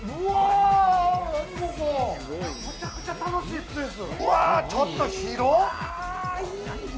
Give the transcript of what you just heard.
めちゃくちゃ楽しいスペース。